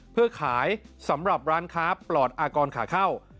เพื่อขายสำหรับร้านค้าปลอดอากรขาเข้า